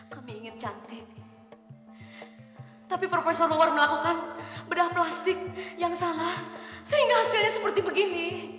kami ingin cantik tapi profesor mawar melakukan bedah plastik yang salah sehingga hasilnya seperti begini